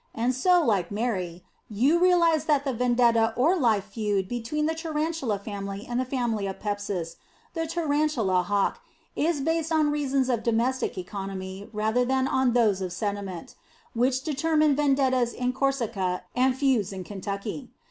And so, like Mary, you realize that the vendetta or life feud between the tarantula family and the family of Pepsis, the tarantula hawk, is based on reasons of domestic economy rather than on those of sentiment, which determine vendettas in Corsica and feuds in Kentucky.